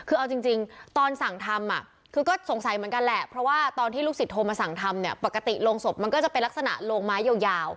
คือเอาจริงตอนสั่งทำคือก็สงสัยเหมือนกันแหละเพราะว่าตอนที่ลูกศิษย์โทรมาสั่งทำเนี่ยปกติโรงศพมันก็จะเป็นลักษณะโรงไม้ยาว